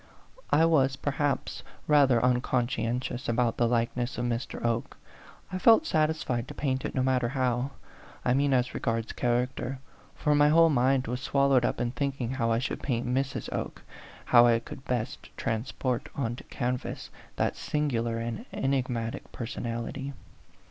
I was, perhaps, rather uncon scientious about the likeness of Mr. Oke ; I felt satisfied to paint it no matter how, I mean as regards character, for my whole mind was swallowed up in thinking how I should paint Mrs. Oke, how I could best transport on to canvas that singular and enigmatic personality.